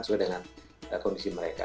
sesuai dengan kondisi mereka